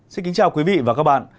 xin kính chào quý vị và các bạn